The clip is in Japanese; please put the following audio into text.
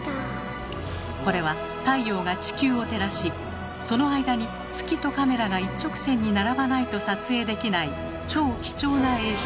これは太陽が地球を照らしその間に月とカメラが一直線に並ばないと撮影できない超貴重な映像。